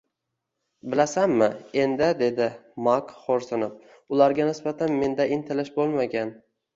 Bilasanmi, Endi, dedi Mak xo`rsinib, ularga nisbatan menda intilish bo`lmagan